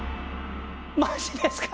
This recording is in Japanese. マジですか？